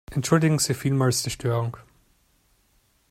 Entschuldigen Sie vielmals die Störung.